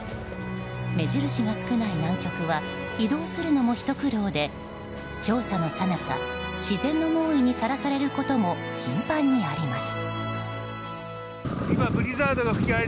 目印が少ない南極は移動するのもひと苦労で調査のさなか自然の猛威にさらされることも頻繁にあります。